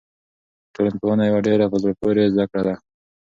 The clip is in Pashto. ټولنپوهنه یوه ډېره په زړه پورې زده کړه ده.